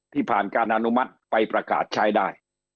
ผ่านการอนุมัติไปประกาศใช้ได้